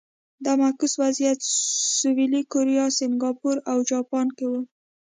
دا معکوس وضعیت سویلي کوریا، سینګاپور او جاپان کې و.